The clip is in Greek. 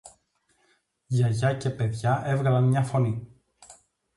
Γιαγιά και παιδιά έβγαλαν μια φωνή: